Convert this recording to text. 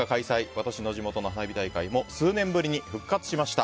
私の地元の花火大会も数年ぶりに復活しました。